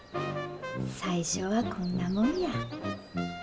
最初はこんなもんや。